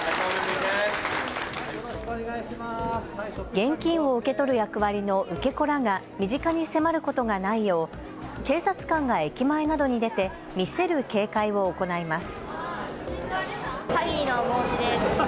現金を受け取る役割の受け子らが身近に迫ることがないよう警察官が駅前などに出て見せる警戒を行います。